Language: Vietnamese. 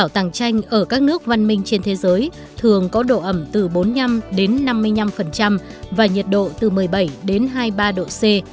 tàng tranh ở các nước văn minh trên thế giới thường có độ ẩm từ bốn mươi năm đến năm mươi năm và nhiệt độ từ một mươi bảy đến hai mươi ba độ c